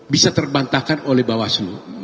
bisa terbantahkan oleh bawaslu